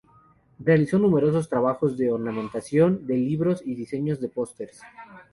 Realizó numerosos trabajos de ornamentación de libros y diseños de pósters.